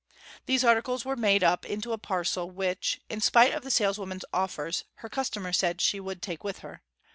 These articles were made up into a parcel which, in spite of the saleswoman's offers, her customer said she would take with her.